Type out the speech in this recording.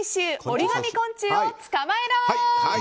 折り紙昆虫を捕まえろ！